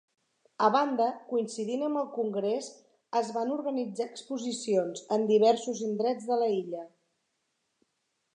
A banda, coincidint amb el congrés, es van organitzar exposicions en diversos indrets de l'illa.